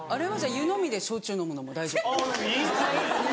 湯飲みで焼酎飲むのも大丈夫？